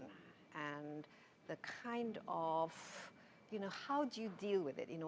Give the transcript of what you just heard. dan bagaimana cara anda menghadapinya